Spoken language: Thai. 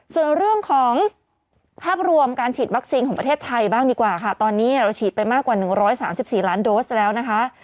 ส่วนเรื่องของภาพรวมการฉีดวัคซีนของประเทศไทยบ้างดีกว่าค่ะตอนนี้เราฉีดไปมากกว่า๑๓๔ล้านโดสแล้วนะคะ